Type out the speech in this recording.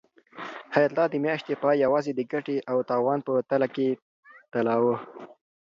حیات الله د میاشتې پای یوازې د ګټې او تاوان په تله کې تلاوه.